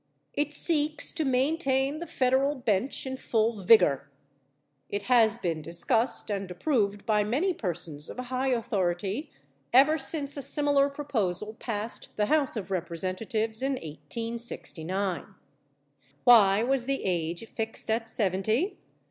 It seeks to maintain the federal bench in full vigor. It has been discussed and approved by many persons of high authority ever since a similar proposal passed the House of Representatives in 1869. Why was the age fixed at seventy?